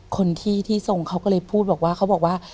คนที่ที่ทรงเขาก็เลยพูดว่า